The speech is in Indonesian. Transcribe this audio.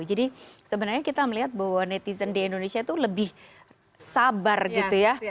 jadi sebenarnya kita melihat bahwa netizen di indonesia tuh lebih sabar gitu ya